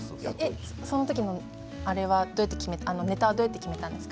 そのときのあれはどうやって決めたんですか？